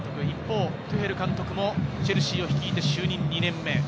一方、トゥヘル監督もチェルシーを率いて就任２年目。